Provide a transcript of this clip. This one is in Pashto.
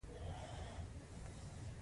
هغه له بازار څخه اومه مواد او د سون توکي پېري